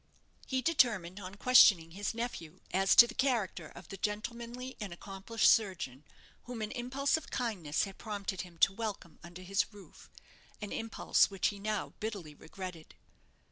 He determined on questioning his nephew as to the character of the gentlemanly and accomplished surgeon, whom an impulse of kindness had prompted him to welcome under his roof an impulse which he now bitterly regretted.